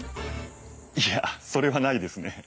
いやそれはないですね。